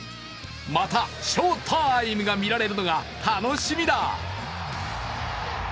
また翔タイムが見られるのが楽しみだ！